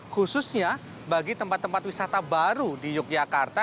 khususnya bagi tempat tempat wisata baru di yogyakarta